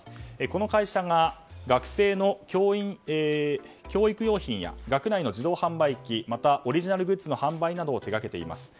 この会社が学生の教育用品や学内の自動販売機または、オリジナルグッズの販売などを手掛けています。